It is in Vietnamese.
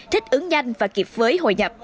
thích ứng nhanh và kịp với hội nhập